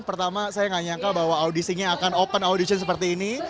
pertama saya nggak nyangka bahwa audisinya akan open audition seperti ini